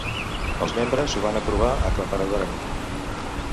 Els membres ho van aprovar aclaparadorament.